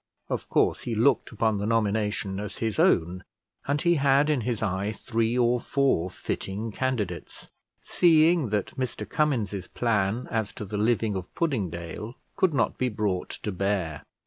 Of course he looked upon the nomination as his own, and he had in his eye three or four fitting candidates, seeing that Mr Cummins's plan as to the living of Puddingdale could not be brought to bear.